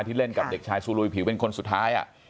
เล่นกับเด็กชายซูลุยผิวเป็นคนสุดท้าย